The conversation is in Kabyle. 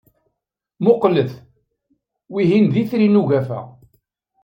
Mmuqqlet, wihin d Itri n Ugafa.